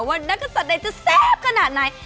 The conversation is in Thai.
ว่านักศัตริย์ใดจะแซ่บขนาดไหน